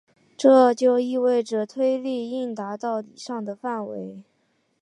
这就意味着推力应达到以上的范围。